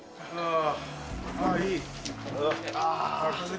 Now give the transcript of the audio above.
ああ、いい。